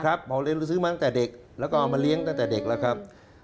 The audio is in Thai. ครับซื้อมาตั้งแต่เด็กแล้วก็เอามาเลี้ยงตั้งแต่เด็กนะครับ